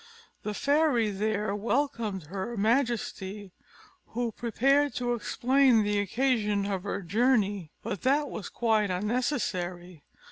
The fairy there welcomed her majesty, who prepared to explain the occasion of her journey; but that was quite unnecessary.